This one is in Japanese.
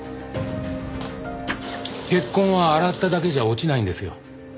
血痕は洗っただけじゃ落ちないんですよ。